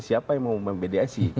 siapa yang mau memediasi